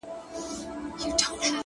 د کلي سپی یې” د کلي خان دی”